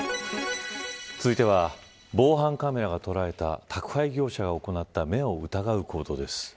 続いては、防犯カメラが捉えた宅配業者が行った目を疑う行動です。